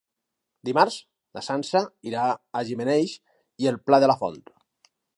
Dimarts na Sança irà a Gimenells i el Pla de la Font.